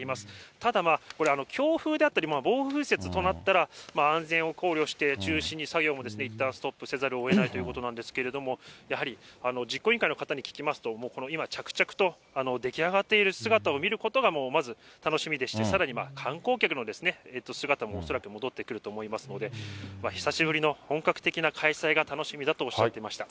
ただまあ、これ、強風であったり暴風雪となったら、安全を考慮して中止に作業もいったんストップせざるをえないということなんですけれども、やはり実行委員会の方に聞きますと、もうこの今、着々と出来上がっている姿を見ることがまず楽しみでして、さらに観光客の姿も恐らく戻ってくると思いますので、久しぶりの本格的な開催が楽しみだとおっしゃっていました。